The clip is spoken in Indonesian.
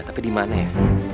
tapi dimana ya